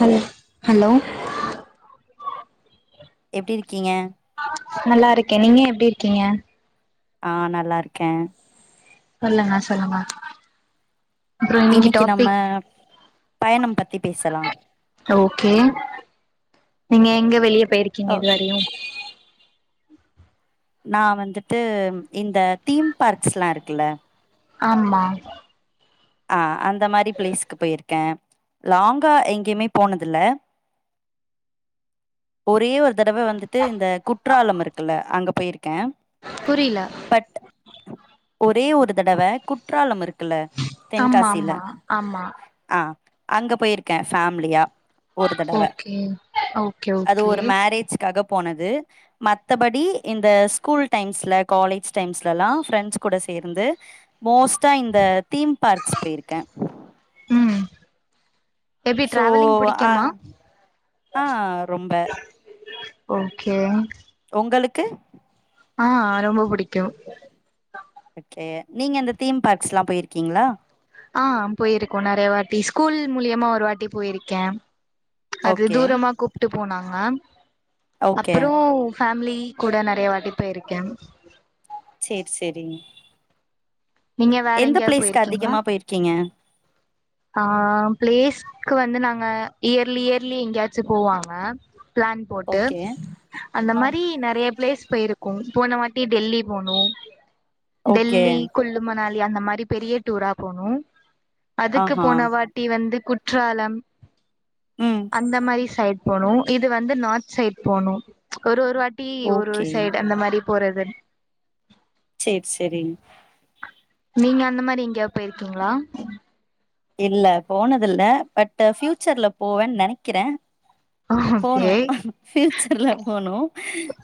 hello hello எப்படி இருக்கீங்க நல்லா இருக்கேன் நீங்க எப்பிடி இருக்கீங்க ஆஹ் நல்லா இருக்கேன் சொல்லுங்க சொல்லுங்க அப்றோ இன்னைக்கு நம்ம டாபிக் பயணம் பத் ஓகே நீங்க எங்க வெளிய போயிருக்கீங்க ஓ இது வரையும் நான் வந்துட்டு இந்த தீம் பார்க்ஸ் எல்லாம் இருக்குல ஆம்மா ஆஹ் அந்த மாரி பிளேஸக்கு போயிருக்கேன் லாங்கா எங்கேயுமே போனதுல ஒரே ஒரு தடவை வந்துட்டு இந்த குற்றாலம் இருக்குல்ல அங்க போயிருக் புரில ஒரே ஒரு தடவை குற்றாலம் இருக்குல்ல ஆமா தென்காசியில ஆமா ஆமா ஆஹ் அங்க போயிருக்கேன் ஃபேமிலியா ஒரு தடவ ஓகே ஓகே அது ஓகே ஒரு மேரேஜ்காக போனது மத்தபடி இந்த ஸ்கூல் டைம்ஸ்ல காலேஜ் டைம்ஸ்லல்லாம் ஃப்ரெண்ட்ஸ் கூட சேர்ந்து மோஸ்டா இந்த தீம் பார்க்ஸ் போயிருக்கேன் எப்படி டிராவலிங் புடிக்கிமா ஆஹ் ரொம்ப ஓகே உங்களுக்கு ஆஹ ரொம்ப புடிக் ஓகே நீங்க இந்த தீம் பார்க்ஸ் எல்லாம் போயிருக்கீங்களா ஆ போயிருக்கோம் நெறைய வாட்டி ஸ்கூல் மூலியமா ஒரு வாட்டி போயிருக்கேன் அதுே ஓகே தூரமா கூ டிட்டு போனாங்க ஓகே அப்போரு ஃபேமிலி கூட நெறைய வாட்டி போயிருக்கேன் சேரி சேரி நீங்க வேற எந்த எங்கேயாவது பிளேஸ்க்கு அதிகமா போயிருக்கீங்க ஆஹ பிளேஸ்க்கு வந்து நாங்க இயர்லி இயர்லி எங்கேயாச்சும் போவாங்க பிளான் போட்டு ஓகே அந்த ஆ மாரி நெறைய பிளேஸ் போயிருக்கோம் போன வாட்டி டெல்லி போனோம் ஓகே டெல்லி கொல்லு மனால் அந்த மாரி பெரிய டூரா போனும் ஆஹா போன வாட்டி வந்து குற்றாலம் ம் அந்த மாரி சைடு் போனும் இது வந்து நார்த் சைட் போனும் ஒரு ஒரு வாட்டி ட்டி ஒரு ஒரு ஓகே சைடு அந்த மாரி போறது ச்சேரி சேரி நீங்க அந்த மாதரி எங்கேயாவ போயிருக்கீங்களா இல்ல போனது இல்ல பட் பஃயூச்சர்ல போவேன்னு நெனைக்கிறேன் ஓகே போனும் ஃயூச்சர்ல போனும்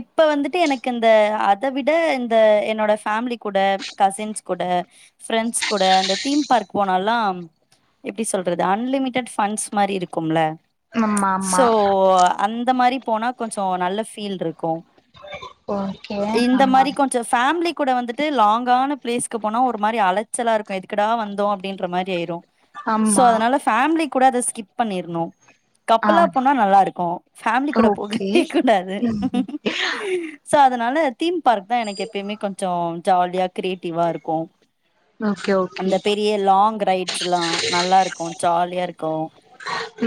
இப்ப வந்து எனக்கு இந்த அத விட இந்த என்னோட ஃபேமிலி கூட கசின்ஸ் கூட பிரெண்ட்ஸ் கூட அந்த தீம் பார்க் போன நல்லாம் எப்டி சொல்றது அன்லிமிடட் பஃபண்ட்ஸ் மாரி இருக்கும்ல ஆமா சோ ஆமா அந்த மாரி போனா கொஞ்சம் நல்ல ஃபீல் இருக்கும் ஓகே இந்த ஆமா மாரி கொஞ்சம் ஃபேமிலிக் கூட வந்துட்டு லாங்கான பிளேஸ்க்கு போனா ஒரு மாரி அலைச்சலா இருக்கும் எதுக்கடா வந்தோம் அப்டின்ற மாரி ஆயிரும் சோ ஆமா அதனால ஃமிலி கூட அத பண்ணிறணும் ஆ கப்பல்லா போனா நல்லா இருக்கும் ஃபேமிலி கூட ஓகே போகவே கூடாது ம் சோ அதனால தீ பார்க்கு தான் எனக்கு எப்பயுமேகொஞ்சோ ஜாலியா கிரியேட்டிவா இருக்கும் ஓகே ஓகே அந்த பெரிய லாங் ரைட் நல்லா இருக்கும் ஜாலியா இருக்கும்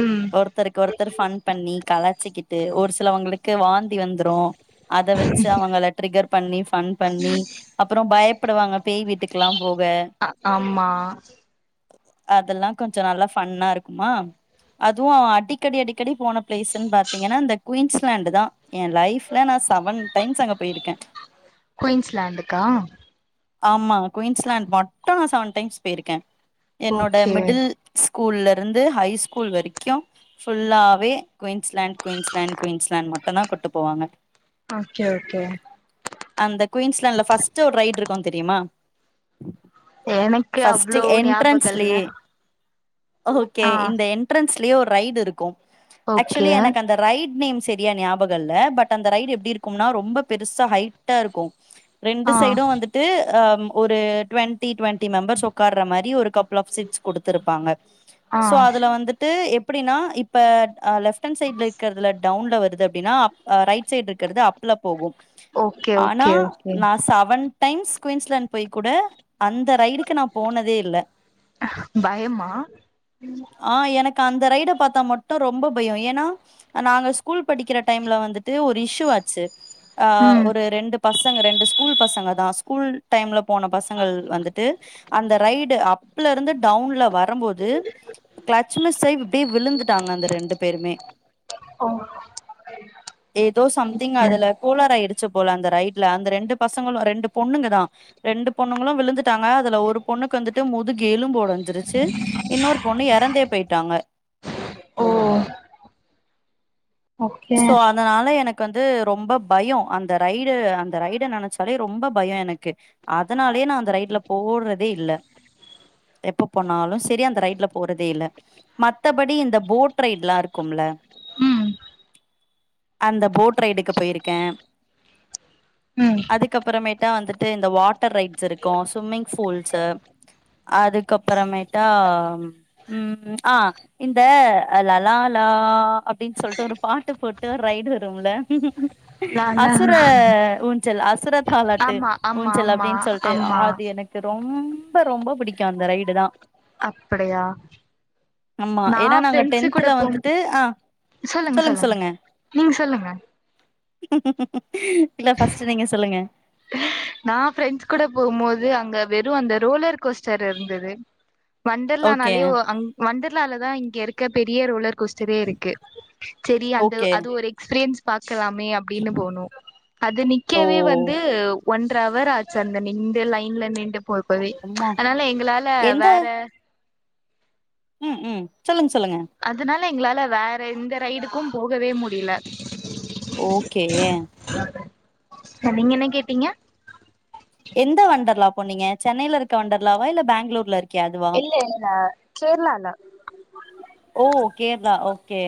ம் ஒருத்தருக்கு ஒருத்தர் ஃபன் பண்ணி கலச்சிக்கிட்டு ஒரு சிலவங்களுக்கு வாந்தி வந்துரும் அத வச்சு அவங்க ட்ரிகர் பண்ணி பன் பண்ணி அப்புறம் பய படுவாங்க அஹ ஆமா அதெல்லாம் கொஞ்சம் நல்லா ஃபன்னா இருக்குமா அதுவும் அவன் அடிக்கடி அடிக்கடி போன பிளேஸ்ன்னு பாத்தீங்கன்னா இந்த குயின்ஸ்லேண்டு் தான் என் லைப்ல நான் செவன் டைம்ஸ் அங்க போயிருக்கேன் குயின்ஸ்லாண்டுக்கா ஆமா குயின்ஸ்லாண்ட் மட்டும் நான் செவன் டைம்ஸ் போயிருக்கேன் என்னோட ஓகே மிடில்ஸ் ஸ்கூல்ல இருந்து ஹை ஸ்கூல் வரைக்கும் ஃபுல்லாவே குயின்ஸ்லாண்ட் குயின்ஸ்லேண்ட் குயின்ஸ்லாண்ட் மட்டும் தான் கூட்டிட்டு போவாங்க ஓகே ஓகே அந்த குயின்ஸ்லால ஃப்ஸ்ட் ஒரு ரைடு இருக்கு இருக்கும் தெரியுமா னக்கு அவ்ளோ நியாபகம் ஃபஸ்லியே ஓகே ஆ இந்த என்ட்ரன்ஸ் ஃபஸ்லே ஒரு ரைடு இருக்கும் ஆக்சுவலி ஓகே எனக்கு அந்த ரைட் நேம்ஸ் சரியா ஞாபம்ல்லல பட் அந்த ரைடு எப்டி இருக்கும்னா ரொம்ப பெருசா ஹைட்டா இருக்கும் ரெண்டு ஆ சைடும் வந்துட்டு ஒரு டு்வெண்டி டுவெண்டி மெம்பர்ஸ் ஒக்காற மாரி ஒரு ப் ஆப் சீட்ஸ் கொடுத்துருப்பாங்க ஆ சோ அதுல வந்துட்டு எப்டினா இப்ப லெஃப்ஸ் லேஃப்அண் சைட்ல இருக்கிறதுல டவுன்ல அப்டின்னா அ ரைட் சைடு இருக்கு இருக்குறது அப்ல போகும் ஓகே ஆனா ஓகே ஓகே நான் செவன் டைம்ஸ் குயின்ஸ்லண்ட் போய் கூட அந்த ரைடுக்கு நான் போனதே இல்ல பயமா ஆ எனக்கு அந்த ரைட பாத்தா மட்டும் ரொம்ப பயம் ஏன்னா நாங்க ஸ்கூல் படிக்கிற டைம்ல வந்துட்டு ஒரு இஷ்யூ ஆச்சு ஆ ம் ஒரு ரெண்டு பசங்க ரெண்டு ஸ்கூல் பசங்க தான் ஸ்கூல் டைம்ல போன பசங்கள் வந்துட்டு அந்த ரைடு அப் அப்ல இருந்து டவுன்ல வரும்போது கிலட்சுமிஸ்ஸாயி இப்டியே விழுந்துட்டாங்க அந்த ரெண்டு பேருமே ஓ ஏதோ சம்திங் ஓகே அதுல போலர் ஆயிடு போல அந்த ரைடல அந்த ரெண்டு பசங்களும் ரெண்டு பொண்ணுங்க தான் ரெண்டு பொண்ணுங்களும் விழுந்துட்டாங்க அதுல ஒரு பொண்ணுக்கு வந்துட்டு முதுகு எழும்பு ஒடஞ்சிருச்சு இன்னொரு பொண்ணு எறந்தே பேயிட்டாங்க ஓ ஓகே சோ அதனால எனக் எனக்கு வந்து ரொம்ப பயோம் அந்த ரைடு அந்த ரைடு நினைச்சாலே ரொம்ப பயோம் எனக்கு அதனாலயே நான் அந்த ரைட்ல போடுறதே இல்ல எப்ப போனாலும் சேரி அந்த ரைட்ல போறதே இல்ல மத்தபடி இந்த போட் ரைட்லாம் இருக்கும்ல ம் அந்த போட் ரைடுக்கு போயிருக்கேன் ம் அதுக்கப்பறமேட்டா வந்துட்டு இந்த வாட்டர் ரைட்ஸ் இருக்கும் ஸ்விம்மிங் பூல்ஸ் அதுக்கப்பறமேட்டா உம் ஆஹ் இந்த லலாலாலா அப்டின்னு சொல்லிட்டு ஒரு பாட்டு போட்டு ஒரு ரைடு வரும்ல நானா அசுர உ ஜல் அசுரத் தாலாட்டு ஆமா ஆமா ஊஞ்சல் ஆமா அப்டின்னு சொல்லிட்டு ஆமா ஆதி எனக்கு ரொம்ப ரொம்ப ரொம்ப பிடிக்கும் அந்த ரைடு தான் அப்படியா ஆமா நா ஏன்னா நாங்க பிரிண்ட்ஸ் கூட டென்த்ல போ வந்துட்டு ஆ சொல்லுங்க சொல்லுங்க நீங்க சொல்லுங்க இல்ல பர்ஸ்ட் நீங்க சொல்லுங்க நான் ஃப்ரெண்ட்ஸ் கூட போகும்போது அங்க வெறும் அந்த ரோலர் கோஸ்டர் இருந்தது ஓகே வண்டர்லானாலே அங் வண்டர்லால தான் இங்க இருக்க பெரிய ரோலர் கொஸ்டரே இருக்கு சேரி அந்த ஓகே அது ஒரு எக்ஸ்பீரியன்ஸ் இருக்கலாமே அப்படின்னு போனோம் அது ஓ நிக்கவே வந்து ஒன்ரா அவர் ஆச்சு அந்த நிண்டு லைன்ல நிண்டு போ போவி அம்மா அதனால எங்களால வேற உம் உம் சொல்லுங்க சொல்லுங்க அதனால எங்களால வேற எந்த ரைடுக்கும் போகவே முடியல ஓகே ஹ் நீங்க என்ன கேட்டீங்க எந்த வண்டரலா போனிங்க சென்னையில இருக்க வண்டர்லவா இல்ல பெங்களூர்ல இருக் கே அதுவா இல்ல இல்ல கேரளால ஓ கேரளா ஓகே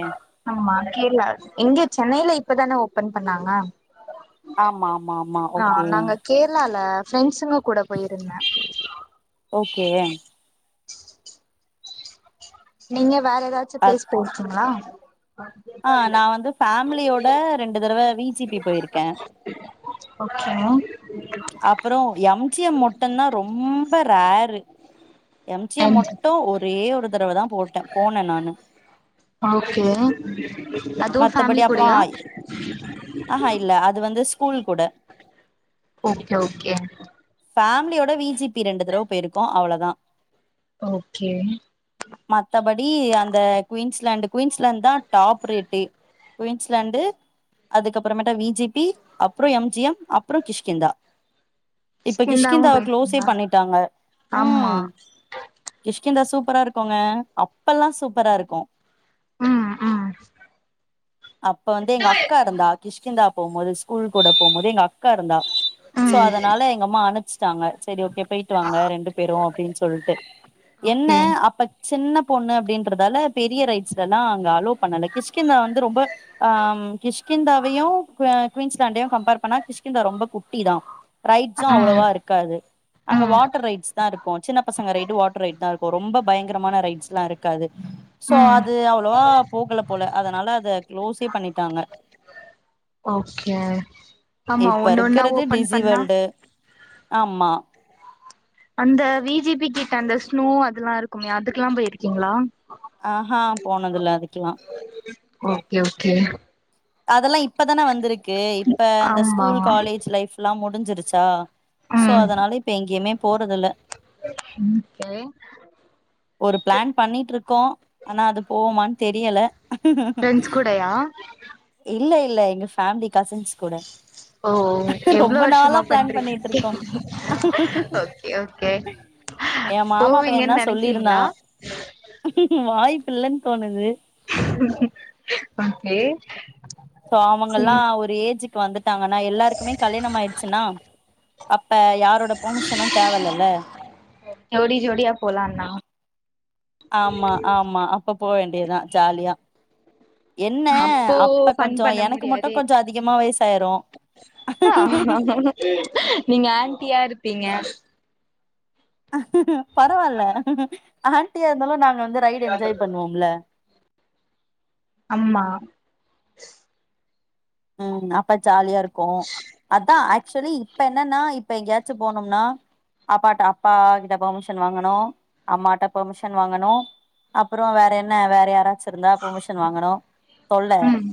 ஆமா கேரளா இங்க சென்னையில இப்பதானே ஓபன் பண்ணாங்க ஆமா ஆமா ஆமா ஓகே லா பிரண்ட்ஸ்ங்க கூட போயிருந்தேன் ஓகே நீங்க வேற ஏதாச்சு பிளேஸ் போச்சுங்களா ஆஹ் நான் வந்து ஃபேமிலியோட ரெண்டு தடவ விஜிபி போயிருக்கேன் ஓகே அப்புறம் எம்ஜிஎம் மட்டும் தான் ரொம்ப ரேரு எம்ஜிஎம் மட்டும் ஒரே ஒரு தடவதான் ஓக்கே அதுவும் மத்தபடி ஃபேமிலி அப்றோ கூடையா ஆஹா இல்ல அது வந்து ஸ்கூல் கூட ஓக்கே ஓக்கே ஃபேமிலியோட விஜிபி ரெண்டு தடவ போயிருக்கோம் அவ்வளோதான் ஓகே மத்தபடி அந்த குயின்ஸ் லண்டு குயின்ஸ்லாண்டு தான் டாப் ரேட்டே குயின்ஸ்லாண்டு அதுக்கப்புறமே விஜிபி அப்புறம் எம் ஜி எம் அப்புறம் கிஷ்கிந்தா இப்ப சிந்தாவு கிஷ்கிந்தாவ க்ளோஸே போயிருக்கீங்களா பண்ணிட்டாங்க ஆமா உம் கிஷ்கந்தா சூப்ப சூப்பரா இருக்கோங்க அப்பல்லாம் சூப்பரா இருக்கும் உம் உம் அப்ப வந்து எங்க அக்கா இருந்தா கிஷ்கிந்தா போம்போது ஸ்கூல் கூட போம்போது எங்க அக்கா இருந்தா சோ ம் அதனால எங்கம்மா அனுச்ச ட்டாங்க செரி ஓக்கே போயிட்டு வாங்க ரெண்டு பேரும் அப்படின்னு சொல்லிட்டு என்ன ஓகே அப்ப சின்ன பொண்ணு அப்படின்றதால பெரிய ரைட்ஸ்ல எல்லாம் அங்க அலோ பண்ணல கிஷ்கிந்தா வந்து ரொம்ப ஆஹ கிஷ்கிந்தாவையும் குயின்ஸ்லாண்டையும் கம்பேர் பண்ணா கிஷ்கிந்தா ரொம்ப குட்டி தான் ரைட்ஸும் ம் அவ்வளோவா இருக்காது அங்க ம் வாட்டர் ரைட்ஸ் தான் இருக்கும் சின்ன பசங்க ரைடு வாட்டர் ரைட் தான் இருக்கும் அப்ப ரொம்ப பயங்கரமான ரைட்ஸ்ல்லாம் இருக்காது சோ ம் அது அவ்வளவா போகல போல அதனால அத க்ளோஸே பண்ணிட்டாங்க ஓக்கே ஆமா ஒண்ணு ஒன்னா ஓப்பன் தி வேல்டு ஆமா அந்த விஜிபி கிட் அந்த ஸ்னோ அதெல்லாம் இருக்குமே அதுக்கெல்லாம் போயிருக்கீங்களா ஹா ஹ போனது இல்ல அது ஓக்கே ஓக்கே அதெல்லாம் இப் இப்பதான வந்திருக்கு இப்ப அந்த ஆமா ஸ்கூல் காலேஜ் லைஃப்ல்லாம் மோ முடிஞ்சிருச்சா சோ ம் அதனால இப்ப எங்கயுமே போறதுல ஓகே ஒரு பிளான் பண்ணிட்டு இருக் கோம் ஆனா அது போவுமான்னு தெரியல ஃப்ரெண்ட்ஸ் கூடயா இல்ல இல்ல எங்க ஃபேமிலி கசின்ஸ் கூட ஓ க்குங் எவ்ளோ ரொம்ப நாளா வருஷமா பிளான் பண்ணிட்டு பண்றீங்க இருக்கோம் க்குங்கு க்குங்கு ஓகே ஓகே என் மாமாப்பையன் போவீங்கன்னு தான் நெனைக்கிறீங்களா சொல்லிருந்தான் க்குங் வாய்ப்பு இல்லன்னுக் தோணுது ம்குங் ஓகே சோ ம் அவுங்கல்லாம் ஒரு ஏஜுக் வந்துட்டாங்கன்னா எல்லாருக்குமே கல்யாணம் ஆயிடுச்சுனா இப்ப யாரோட பொர்மிஷனும் தேவயில்லல ஜோடி ஜோடியா போலான்னா ஆமா ஆமா அ அப்ப போக வேண்டியதுதான் ஜாலியா என்ன அப்போ அப்ப ஃபன் கொஞ்சம் பண்ண எனக்கு முடியாதே மட்டும் கொஞ்சம் அதிகமா வயசாயிரும் நீங்க ஆன்ட்டியா இருப்பீங்க பரவாயில ஆண்டியா இருந்தாலும் நா வந்து ரைட் என்ஜாய் பண்ணுவோம்ல ஆமா உம் அப்பா ஜாலியா இருக்கும் இருக்கும் அதான் ஆக்சுவலி இப்ப என்னன்னா இப்ப எங்கேயாச்சும் போனோம்னா அப்பா அப்பா கிட்ட பெர்மிஷன் வாங்கனும் அம்மாட்ட பெர்மிஷன் வாங்கனும் அப்பறம் வேற என்ன வேற யாரா இருந்தா பெர்மிஷன் வாங்கனும் தொல்ல ம்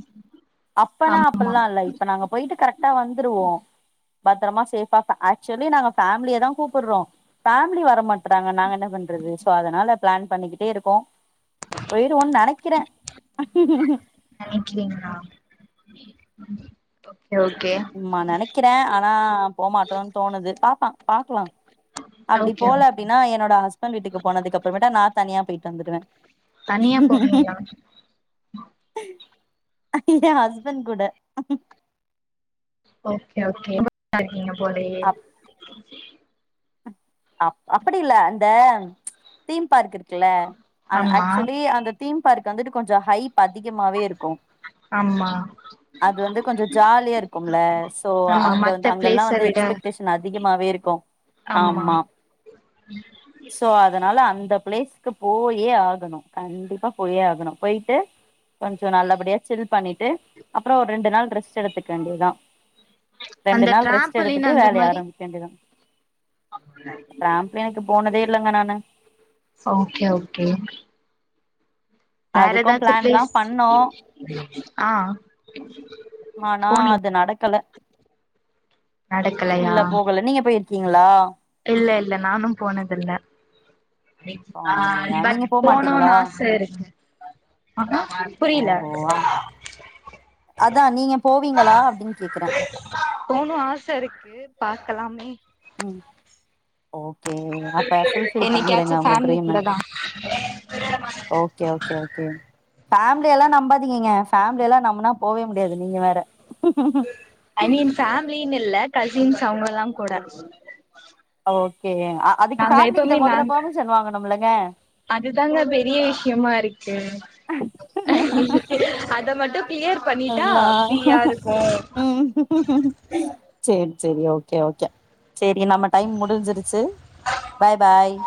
அப் இப்பனா ஆமா அப்படல்லாம் இல்ல இப்ப நாங்க போயிட்டு கரெக்டா வந்துருவோம் பத்திரமா சேஃபா ஆக்சுவலி நாங்க பேம்லிய தான் கூப்பிடுறோம் பேம்லி வர மாட் றாங்க நாங்க என்ன பண்றது சோ அதனால பிளான் பண்ணிக்கிட்டே இருக்கோம் போய்டு ஒன்னு நினைக்கிறேன் நெனைக்கிறீங்களா [unintelligible] ஆமா நெனைக்கிறேன் ஆனா போமாட்டோம்ன்னனு தோணுது பாப்பா பாக்கலாம் அப்டி ஓகே போல ஓகே அப்படனா என்னோட ஹஸ்பண்ட் வீட்டுக்கு போனது அப்பறம் நான தனியா போய் தந்துடுவேன் தனியா போவிங்களா இல்ல ஹஸ்பண்ட் கூட ஓகே ஓகே போலயே அப் அப் அப்படி இல்ல அந்த தீம் பார்க் இருக்குல்ல அ ஆமா ஆக்சுலி அந்த தீம் பார்க் வந்துட்டு கொஞ்சம் ஹைப் அதிகமாவே இருக்கும் ஆமா அது வந்து கொஞ்சம் ஜாலியா இருக்கும்ல சோ ஆமா அங்க வந்து மத்த அங்கல்லாம் பிளேஸ வந்து விட எக்ஸ்பெக்டேஷன் அதிகமாவே இருக்கும் ஆமா சோ அத அதனால அந்த பிளேஸ்கு போயே ஆகணும் கண்டிப்பா போயே ஆகணும் போயிட்டு கொஞ்சம் நல்லபடியா சில் பண்ணிட்டு அப்பறம் ஒரு ரெண்டு நாள் டிரெஸ்ட் எடுத்துக்க வேண்டியதுதான் ரெண்டு அந்த நாள் ரெஸ்ட் டிராம்பலின் எடுத்துட்டு அந்த வேலைய மாரி ஆரம்பிக்க வேண்டிதான் ட்ராப்லீன்க்கு எனக்கு போனதே இல்லங்கனானு ஓகே ஓகே வேற எதாச்சும் பிளேஸ் பண்ணோ ஆஹ் ஆனா போனிங் அது நடக்கல இல்ல போகல நீங்க போயிருக்கீங்களா இல்ல இல்ல நானும் போனதில்ல போனது இல்லையா பட் நீங்க போனும்னு போமாட்டீங்களா ஆசை இருக்க புரியல ஓஹோ அதா நீங்க போவீங்களா அப்டின்னு கேக்குறே போணும் ஆசை இருக்கு பா க்கலாமே உம் ஓகே அப்போ ஃபுல் ஃபீல் பண்ணிருங்க என்னைக்காச்சு உங்க ஃபேமிலி ட்ரீம கூட தா ஓகே ஓகே ஓகே ஃபேமிலி எல்லாம் நம்பாதீங்கங்க ஃபேமிலி எல்லாம் நம்னா போவே முடியாது நீங்க வேற ஐ மீன் ஃபேமிலின்னு இல்ல கசின்ஸ் அவங்கல்லாம் கூட ஓ அதுக்கு நாங்க ஃபேமிலி கிட்ட எப்பவுமே முதல்ல நாங் பர்மிஷன் வாங்கணும் இல்லங்க க்கியமா இருக் அத மட்டும் கிளியர் பண்ணிட்டா அல்லா ப்ரியா இருக்கும் ம் சேரி சேரி ஓகே ஓகே சேரி நம்ப டைம் முடிஞ்சிருச்சு பாய் பாய்